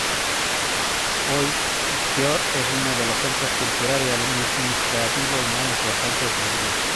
Hoy, Győr es uno de los centros culturales y administrativos más importantes de Hungría.